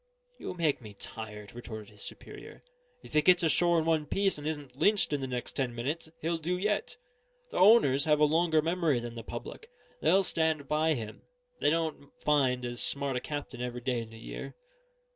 "You make me tired," retorted his superior. "If he gets ashore in one piece and isn't lynched in the next ten minutes, he'll do yet. The owners have a longer memory than the public; they'll stand by him; they don't find as smart a captain every day in the year."